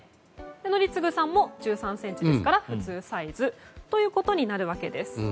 宜嗣さんも１３ｃｍですから普通サイズということになるわけです。